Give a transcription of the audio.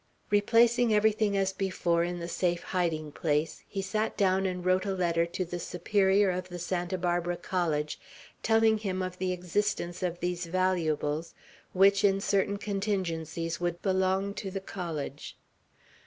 Replacing everything as before in the safe hiding place, he sat down and wrote a letter to the Superior of the Santa Barbara College, telling him of the existence of these valuables, which in certain contingencies would belong to the College.